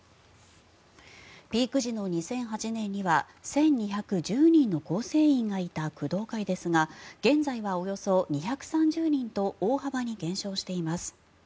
ピーク時の２００８年には１２１０人の構成員がいた工藤会ですが現在はおよそ２３０人と大幅に減少しています。